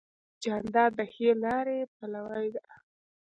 جانداد د ښې لارې پلوی دی.